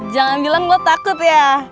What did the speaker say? jangan bilang gue takut ya